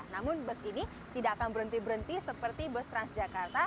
namun bus ini tidak akan berhenti berhenti seperti bus transjakarta